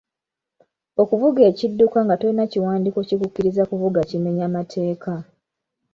Okuvuga ekidduka nga tolina kiwandiiko kikukkiriza kuvuga kimenya mateeka.